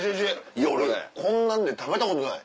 いや俺こんなんで食べたことない。